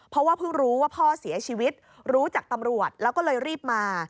เพราะว่าเพิ่งรู้ว่าพ่อเสียชีวิตรู้จากตำรวจแล้วก็เลยรีบมา